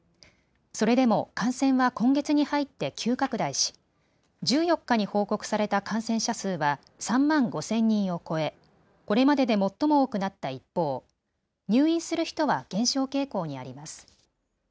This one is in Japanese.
それでも感染は今月に入って急拡大し１４日に報告された感染者数は３万５０００人を超えこれまでで最も多くなった一方、入院する人は減少傾向にあります。